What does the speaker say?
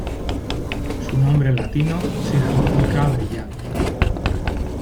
Su nombre latino significa "brillante".